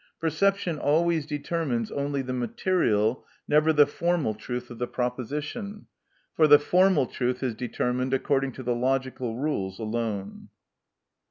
Perception always determines only the material, never the formal truth of the proposition, for the formal truth is determined according to the logical rules alone.